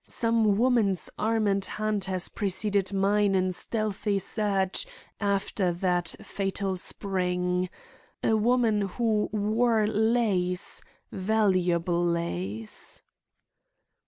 Some woman's arm and hand has preceded mine in stealthy search after that fatal spring. A woman who wore lace, valuable lace."